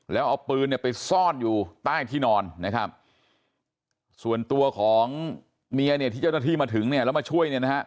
แล้วเอาปืนไปซ่อนอยู่ใต้ที่นอนนะครับส่วนตัวของเมียที่เจ้าหน้าที่มาถึงแล้วมาช่วย